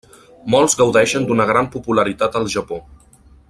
Molts gaudeixen d'una gran popularitat al Japó.